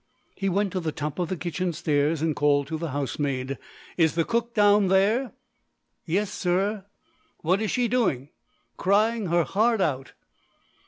He went to the top of the kitchen stairs, and called to the housemaid. "Is the cook down there?" "Yes, sir." "What is she doing?" "Crying her heart out."